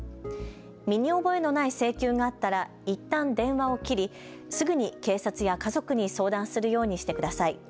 身に覚えのない請求があったらいったん電話を切りすぐに警察や家族に相談するようにしてください。